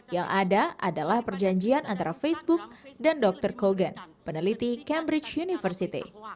yang ada adalah perjanjian antara facebook dan dr kogan peneliti cambridge university